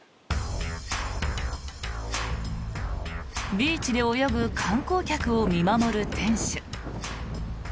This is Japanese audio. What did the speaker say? ビーチで泳ぐ観光客を見守る店主。